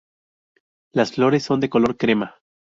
Las flores son de color crema.